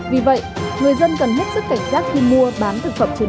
vì vậy người dân cần hết sức cảnh giác khi mua bán thực phẩm trên mạng